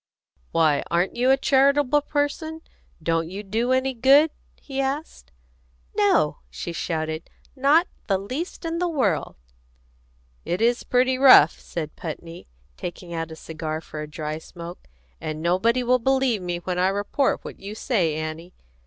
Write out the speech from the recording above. "Why, aren't you a charitable person? Don't you do any good?" he asked. "No!" she shouted. "Not the least in the world!" "It is pretty rough," said Putney, taking out a cigar for a dry smoke; "and nobody will believe me when I report what you say, Annie.